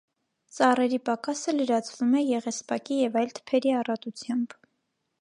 Ծառերի պակասը լրացվում է եղեսպակի և այլ թփերի առատությամբ։